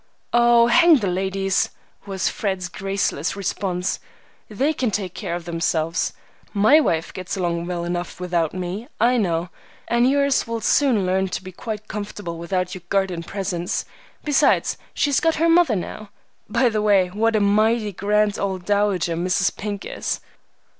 "Oh, hang the ladies!" was Fred's graceless response; "they can take care of themselves. My wife gets along well enough without me, I know, and yours will soon learn to be quite comfortable without your guardian presence; besides she's got her mother now. By the way, what a mighty grand old dowager Mrs. Pink is!"